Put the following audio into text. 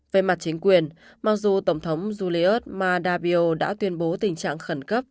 về mặt chính quyền mặc dù tổng thống julius mardabio đã tuyên bố tình trạng khẩn cấp